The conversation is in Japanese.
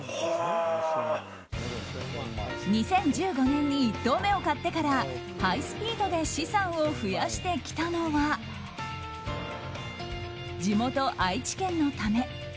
２０１５年に１棟目を買ってからハイスピードで資産を増やしてきたのは地元・愛知県のため。